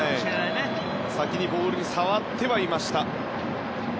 先にボールに触ってはいました。